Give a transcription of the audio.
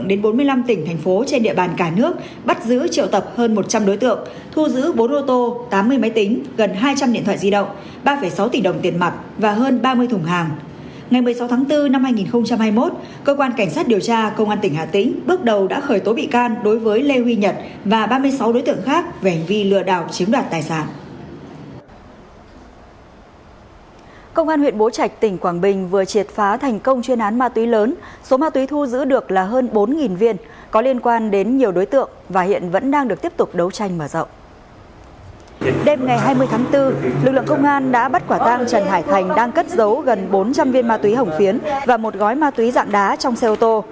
đêm ngày hai mươi tháng bốn lực lượng công an đã bắt quả tang trần hải thành đang cất giấu gần bốn trăm linh viên ma túy hổng phiến và một gói ma túy dạng đá trong xe ô tô